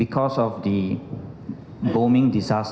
karena pembali di bali